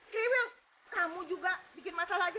kriminal kamu juga bikin masalah aja